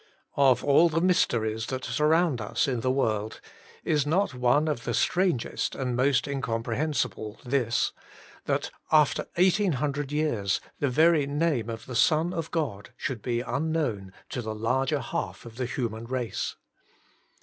Of all the mysteries that surround us in the world, is not one of the strangest and most incomprehensible this — that after 1800 years the very name of the Son of God should be unknown to the larger half of the human race.